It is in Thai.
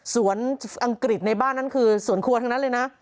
อังกฤษในบ้านนั้นคือสวนครัวทั้งนั้นเลยนะ